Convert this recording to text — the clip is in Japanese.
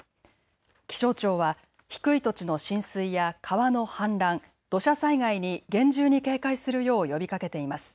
気象庁は低い土地の浸水や川の氾濫、土砂災害に厳重に警戒するよう呼びかけています。